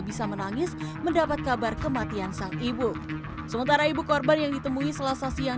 bisa menangis mendapat kabar kematian sang ibu sementara ibu korban yang ditemui selasa siang